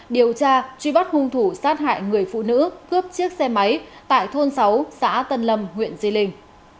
điều tra truy bắt hung thủ sát hại người phụ nữ cướp chiếc xe máy tại thôn sáu xã tân lâm huyện di linh